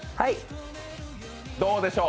どうでしょう？